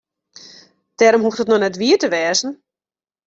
Dêrom hoecht it noch net wier te wêzen.